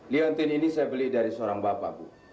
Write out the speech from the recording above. leontin ini saya beli dari seorang bapak bu